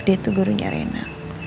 dia tuh gurunya rena